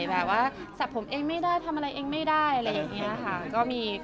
แบบว่าสับผมเองไม่ได้ทำอะไรเองไม่ได้อะไรอย่างนี้ค่ะ